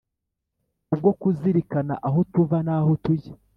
kubwo kuzirikana aho tuva n’aho tujya